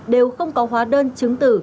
đều không có hóa đơn chứng từ